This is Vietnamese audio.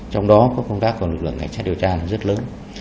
trong đó có công tác của lực lượng cảnh sát điều tra rất lớn